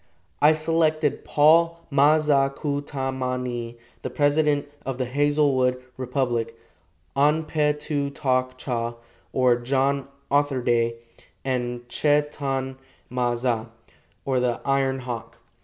I selected Paul Ma za ku ta ma ni, the president of the Hazelwood Republic, An pe tu tok cha, or John Otherday, and Che tan ma za, or the Iron Hawk.